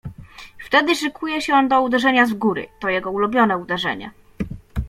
"Wtedy szykuje się on do uderzenia z góry; to jego ulubione uderzenie."